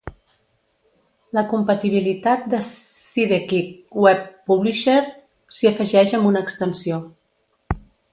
La compatibilitat de Sidekick Web Publisher s'hi afegeix amb una extensió.